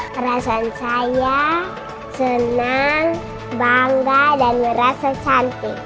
perasaan saya senang bangga dan merasa cantik